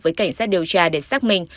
với cảnh sát điều tra để xác minh